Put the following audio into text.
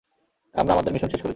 আমরা আমাদের মিশন শেষ করেছি।